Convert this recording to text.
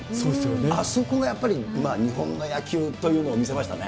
あそこがやっぱり日本の野球というのを見せましたね。